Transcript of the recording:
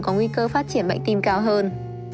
có nguy cơ phát triển bệnh tim cao hơn